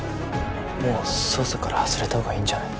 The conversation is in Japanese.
もう捜査から外れた方がいいんじゃない？